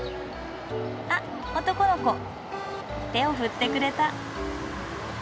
あっ男の子手を振ってくれた。